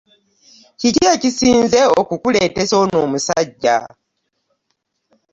Kiki ekisinze okukuleetesa ono omusajja?